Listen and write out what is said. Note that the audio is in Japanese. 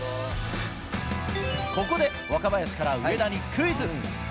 ここで、若林から上田にクイズ。